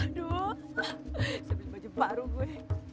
aduh saya belum baca baru gue